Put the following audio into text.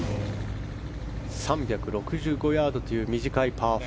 ３６５ヤードという短いパー４。